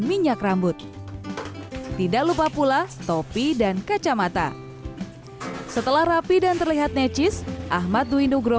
minyak rambut tidak lupa pula topi dan kacamata setelah rapi dan terlihat necis ahmad dwi nugro